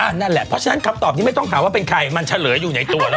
นั่นแหละเพราะฉะนั้นคำตอบนี้ไม่ต้องถามว่าเป็นใครมันเฉลยอยู่ในตัวแล้ว